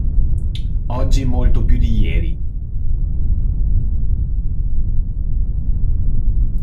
Oggi molto più di ieri